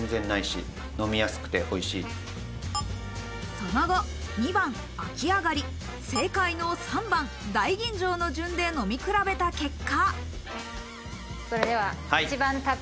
その後、２番、秋上がり、正解の３番・大吟醸の順で飲み比べた結果。